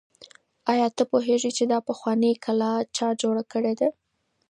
آیا ته پوهېږې چې دا پخوانۍ کلا چا جوړه کړې ده؟